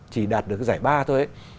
chỉ đạt được cái giải ba thôi